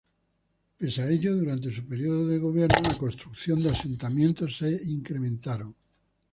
Pese a ello, durante su periodo de gobierno la construcción de asentamientos se incrementaron.